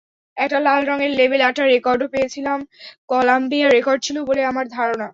একটা লাল রঙের label আঁটা রেকর্ডও পেয়েছিলাম—কলাম্বিয়া record ছিল বলে আমার ধারণা।